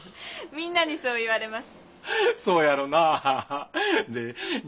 みんなにそう言われます。